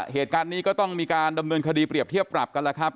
เหตุการณ์นี้ก็ต้องมีการดำเนินคดีเปรียบเทียบปรับกันแล้วครับ